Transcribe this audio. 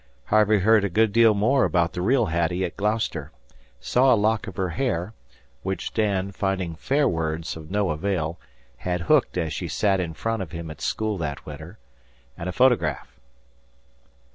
Harvey heard a good deal about the real Hattie at Gloucester; saw a lock of her hair which Dan, finding fair words of no avail, had "hooked" as she sat in front of him at school that winter and a photograph.